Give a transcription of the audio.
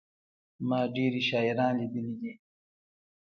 ما ډېري شاعران لېدلي دي.